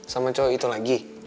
sama cowok itu lagi